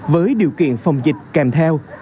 với điều kiện phòng dịch kèm theo